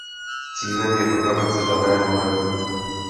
Cílem je propagace daného webu.